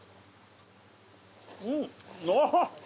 うんああっ。